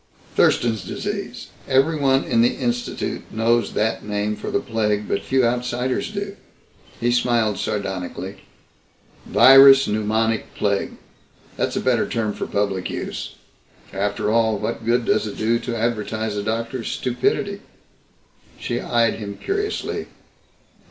"Thurston's Disease. Everyone in the Institute knows that name for the plague, but few outsiders do." He smiled sardonically. "Virus pneumonic plague that's a better term for public use. After all, what good does it do to advertise a doctor's stupidity?" She eyed him curiously.